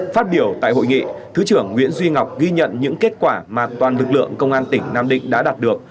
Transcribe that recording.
phát biểu tại hội nghị thứ trưởng nguyễn duy ngọc ghi nhận những kết quả mà toàn lực lượng công an tỉnh nam định đã đạt được